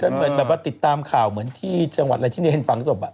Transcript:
เหมือนแบบว่าติดตามข่าวเหมือนที่จังหวัดอะไรที่เนรเห็นฝังศพ